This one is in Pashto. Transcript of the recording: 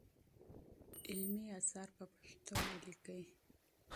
علمي اثار په پښتو ولیکئ.